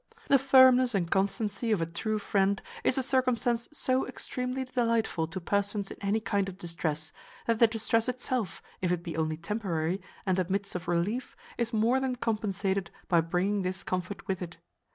The firmness and constancy of a true friend is a circumstance so extremely delightful to persons in any kind of distress, that the distress itself, if it be only temporary, and admits of relief, is more than compensated by bringing this comfort with it.